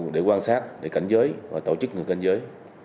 để quan sát để cảnh giới và tổ chức người canh giới